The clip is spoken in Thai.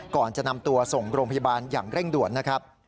ก่อนจะนำตัวส่งโรงพยาบาลอย่างเร่งด่วนนะครับ